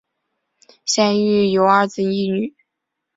现育有二子一女。